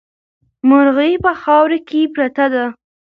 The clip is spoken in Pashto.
مرغۍ په خاورو کې پرته وه.